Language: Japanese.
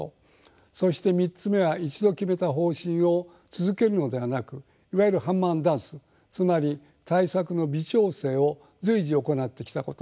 そして３つ目は一度決めた方針を続けるのではなくいわゆるハンマー＆ダンスつまり対策の微調整を随時行ってきたこと。